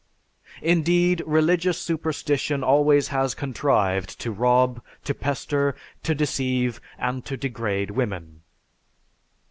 Indeed, religious superstition always has contrived to rob, to pester, to deceive, and to degrade women."